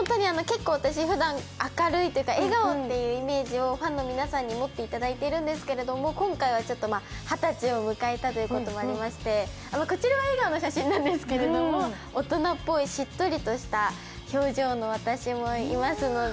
ふだん、明るいっていうか笑顔っていうイメージをファンの皆さんに持っていただいているんですけど、今回は二十歳を迎えたということもありましてこちらは笑顔の写真なんですけれども大人っぽいしっとりとした表情の私もいますので。